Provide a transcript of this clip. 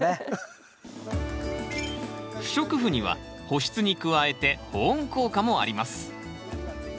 不織布には保湿に加えて保温効果もあります。